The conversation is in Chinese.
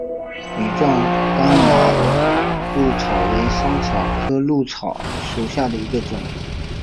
羽状刚毛藨草为莎草科藨草属下的一个种。